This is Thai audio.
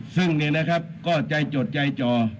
ซึ่งเนี่ยนะครับก็ใจจดใจจ่อ